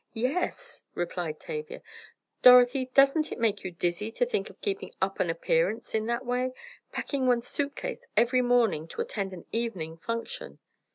"Yes," replied Tavia. "Dorothy, doesn't it make you dizzy to think of keeping up an appearance in that way—packing one's suit case every morning to attend an evening function!"